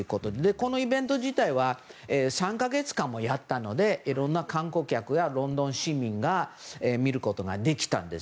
このイベント自体は３か月間もやったのでいろんな観光客やロンドン市民が見ることができたんです。